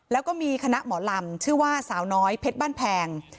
แล้วก็มีคณะหมอลำชื่อว่าสาวน้อยเพชรบ้านแพง